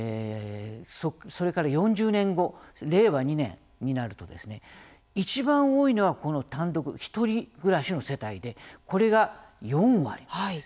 それから４０年後令和２年になるといちばん多いのは、この単独１人暮らしの世帯でこれが４割。